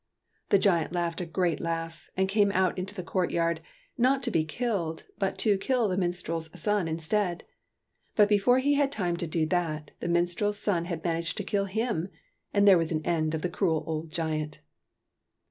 The giant laughed a great laugh and came out into the courtyard, not to be killed, but to kill the minstrel's son instead ; but be fore he had time to do that, the minstrel's son had managed to kill him, and there was an end of the cruel old giant.